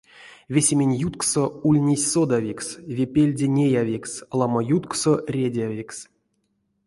Весемень ютксо ульнесь содавикс, ве пельде неявикс, ламо ютксо редявикс.